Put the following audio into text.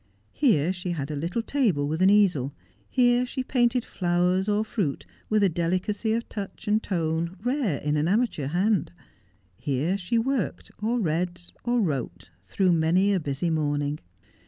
Here she had a little table with an easel ; here she painted flowers or fruit with a delicacy of touch and tone rare in an amateur hand ; here she worked, or read, or wrote, through many a busy morning.